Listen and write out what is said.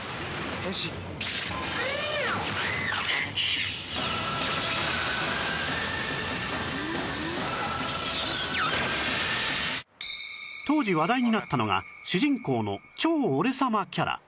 「変身」当時話題になったのが主人公の超俺様キャラ